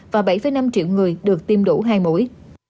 và bảy năm triệu người được tiêm đủ hai mũi